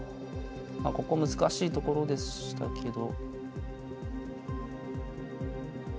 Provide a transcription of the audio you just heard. ここ難しいところでしたけど。